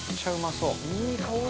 いい香り。